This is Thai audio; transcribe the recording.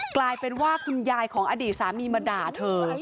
กลายเป็นว่าคุณยายของอดีตสามีมาด่าเธอ